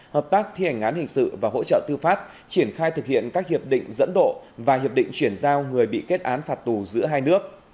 hợp tác thi hành án hình sự và hỗ trợ tư pháp triển khai thực hiện các hiệp định dẫn độ và hiệp định chuyển giao người bị kết án phạt tù giữa hai nước